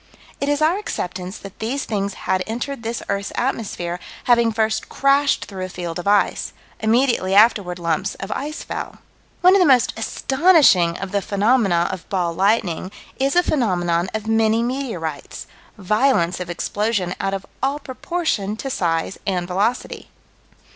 It is our acceptance that these things had entered this earth's atmosphere, having first crashed through a field of ice "immediately afterward lumps of ice fell." One of the most astonishing of the phenomena of "ball lightning" is a phenomenon of many meteorites: violence of explosion out of all proportion to size and velocity.